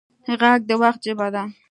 غږ د وخت ژبه ده